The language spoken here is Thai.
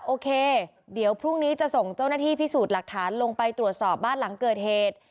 โอเคเดี๋ยวพรุ่งนี้จะส่งเจ้าหน้าที่พิสูจน์หลักฐานลงไปตรวจสอบบ้านหลังเกิดเหตุ